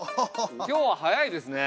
今日は早いですね。